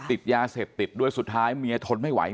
ติดยาเสพติดด้วยสุดท้ายเมียทนไม่ไหว